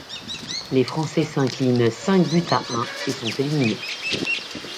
Les Français s'inclinent cinq buts à un et sont éliminés.